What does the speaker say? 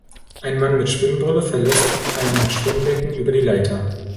Ein Mann mit Schwimmbrille verlässt ein Schwimmbecken über die Leiter.